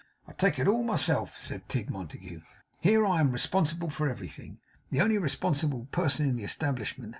'I take it all myself,' said Tigg Montague. 'Here I am responsible for everything. The only responsible person in the establishment!